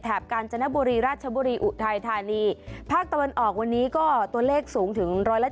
แถบกาญจนบูรีราชบูรีอุคไททานีภาคตะวันออกวันนี้ก็ตัวเลขสูงถึงร้อยละ